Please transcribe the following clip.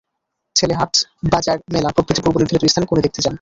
ছেলে হাট, বাজার, মেলা প্রভৃতি পূর্বনির্ধারিত স্থানে কনে দেখতে যান।